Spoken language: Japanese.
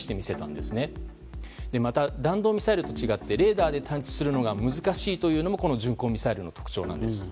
また、弾道ミサイルと違ってレーダーで探知するのが難しいというのもこの巡航ミサイルの特徴です。